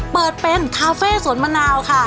เปิดเป็นคาเฟ่สวนมะนาวค่ะ